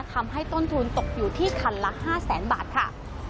ทำให้ต้นทุนตกอยู่ที่คันละ๕แสนบาทค่ะ